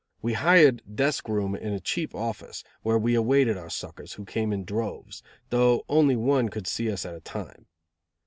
We hired desk room in a cheap office, where we awaited our suckers, who came in droves, though only one could see us at a time.